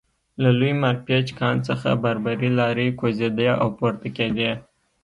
له لوی مارپیچ کان څخه باربري لارۍ کوزېدې او پورته کېدې